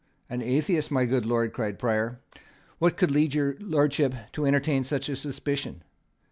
"An atheist, my good lord!" cried Prior. "What could lead your Lordship to entertain such a suspicion?"